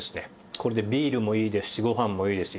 これでビールもいいですしご飯もいいですし。